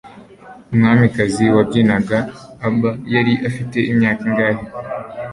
Umwamikazi Wabyinaga Abba yari afite imyaka ingahe